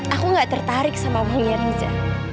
aku gak tertarik sama umurnya riza